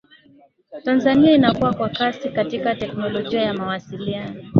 tanzania inakua kwa kasi katika teknolojia ya mawasiliano